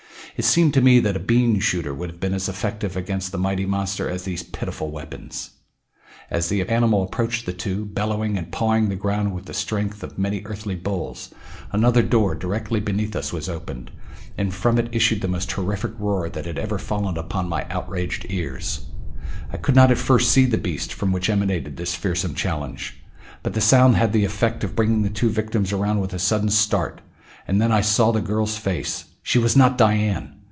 It seemed to me that a bean shooter would have been as effective against the mighty monster as these pitiful weapons. As the animal approached the two, bellowing and pawing the ground with the strength of many earthly bulls, another door directly beneath us was opened, and from it issued the most terrific roar that ever had fallen upon my outraged ears. I could not at first see the beast from which emanated this fearsome challenge, but the sound had the effect of bringing the two victims around with a sudden start, and then I saw the girl's face she was not Dian!